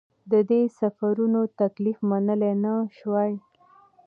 ده د سفرونو تکلیف منلای نه شوای.